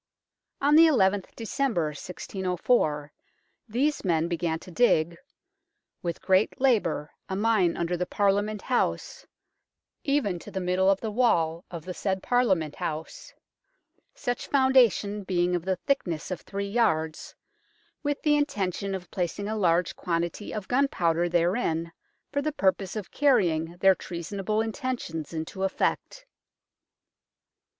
On the nth Dec. 1604 these men began to dig " with great labour a mine under the Parliament House, even to the middle of the wall of the said Parliament House, such foundation being of the thickness of three yards, with the intention of placing a large quantity of gunpowder therein, for the purpose of carrying their treasonable intentions into effect."